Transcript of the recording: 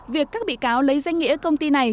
việc các bị cáo lấy danh nghĩa công ty này